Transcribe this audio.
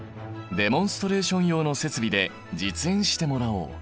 デモンストレーション用の設備で実演してもらおう。